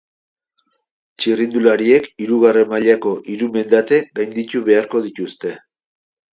Txirrindulariek hirugarren mailako hiru mendate gainditu beharko dituzte.